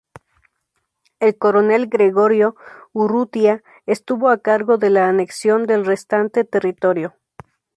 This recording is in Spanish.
El Coronel Gregorio Urrutia estuvo a cargo de la anexión del restante territorio.